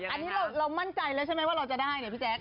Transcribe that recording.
อันนี้เรามั่นใจแล้วใช่ไหมว่าเราจะได้เนี่ยพี่แจ๊